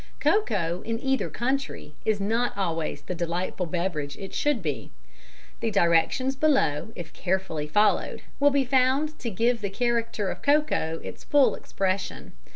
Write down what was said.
Cocoa in either country is not always the delightful beverage it should be. The directions below, if carefully followed, will be found to give the character of cocoa its full expression.